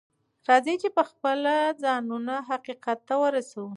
راځئ چې پخپله ځانونه حقيقت ته ورسوو.